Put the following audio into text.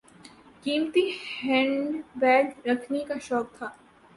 قیمتی handbag رکھنے کا شوق تھا۔